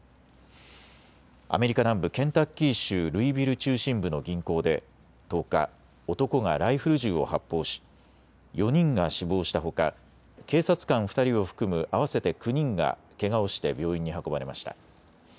アメリカ南部ケンタッキー州ルイビル中心部の銀行で１０日、男がライフル銃を発砲し４人が死亡したほか警察官２人を含む合わせて９人がけがをして病院に運ばれました。